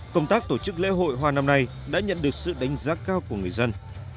công tác tổ chức lễ hội hoa năm nay đã nhận được sự đánh giá cao của người dân